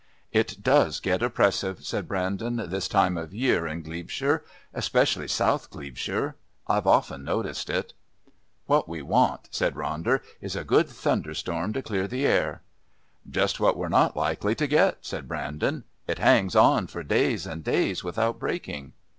"It does get oppressive," said Brandon, "this time of the year in Glebeshire especially South Glebeshire. I've often noticed it." "What we want," said Ronder, "is a good thunderstorm to clear the air." "Just what we're not likely to get," said Brandon. "It hangs on for days and days without breaking."